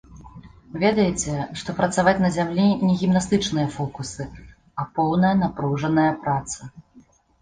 Ведаеце, што працаваць на зямлі не гімнастычныя фокусы, а поўная напружаная праца.